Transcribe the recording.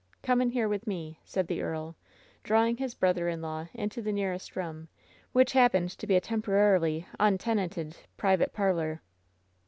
Come in here with me !" said the earl, drawing his brother in law into the nearest room, which happened to be a tempo rarily untenanted private parlor.